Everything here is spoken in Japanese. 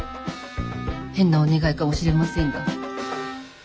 変なお願いかもしれませんが。